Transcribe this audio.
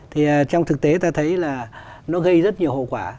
thì trong thực tế ta thấy là nó gây rất nhiều hậu quả